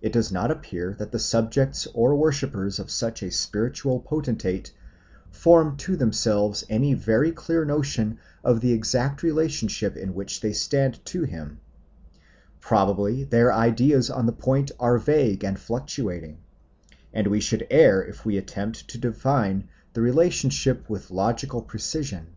It does not appear that the subjects or worshippers of such a spiritual potentate form to themselves any very clear notion of the exact relationship in which they stand to him; probably their ideas on the point are vague and fluctuating, and we should err if we attempted to define the relationship with logical precision.